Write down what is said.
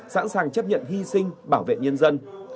sẵn sàng chấp nhận hy sinh bảo vệ nhân dân